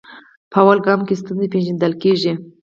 په لومړي ګام کې ستونزه پیژندل کیږي.